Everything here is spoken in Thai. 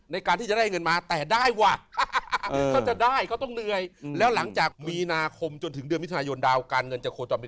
ในการที่จะได้เงินมาแต่ได้ว่ะถ้าจะได้เขาต้องเหนื่อยแล้วหลังจากมีนาคมจนถึงเดือนมิถุนายนดาวการเงินจะโคจรไป